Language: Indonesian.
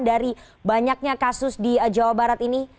dari banyaknya kasus di jawa barat ini